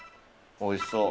おいしそう。